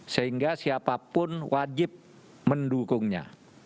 sehingga siapapun wajib mendukungnya